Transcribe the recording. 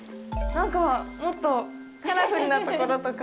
なんか、もっとカラフルなところとか。